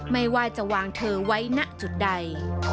ไม่ว่าจะวางเธอไว้ณจุดใด